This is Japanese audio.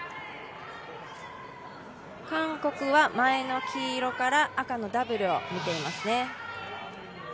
韓国は前の黄色から赤のダブルを見ていますね。